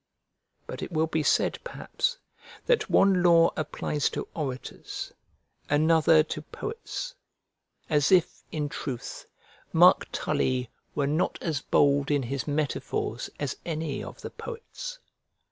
But it will be said, perhaps, that one law applies to orators, another to poets. As if, in truth, Marc Tully were not as bold in his metaphors as any of the poets!